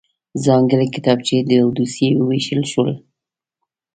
ځانګړی کتابچې او دوسيې وویشل شول.